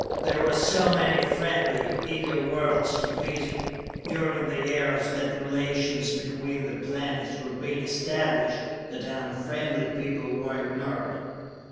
There were so many friendly, eager worlds to visit, during the years that relations between the planets were being established, that an unfriendly people were ignored.